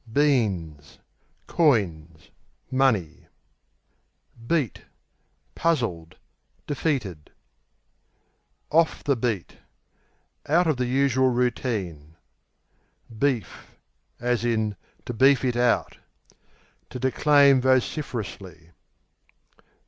Beans Coins; money. Beat Puzzled; defeated. Beat, off the Out of the usual routine. Beef (to beef it out) To declaim vociferously.